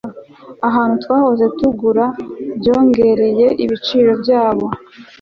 ahantu twahoze tugura byongereye ibiciro byabo